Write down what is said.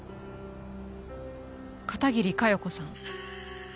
片桐佳代子さん。